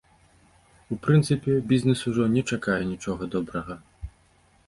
У прынцыпе, бізнэс ужо не чакае нічога добрага.